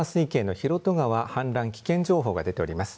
広渡川氾濫危険情報が出ております。